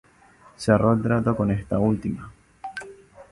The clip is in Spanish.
Cerró el trato con esta última.